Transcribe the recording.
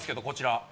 こちら。